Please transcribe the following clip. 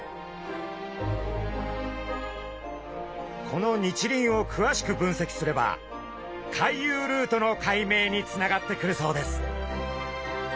この日輪をくわしく分析すれば回遊ルートの解明につながってくるそうです。